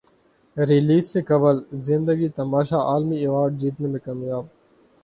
release سے قبل زندگی تماشا عالمی ایوارڈ جیتنے میں کامیاب